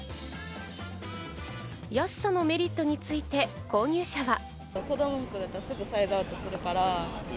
安さのメリットについて購入者は。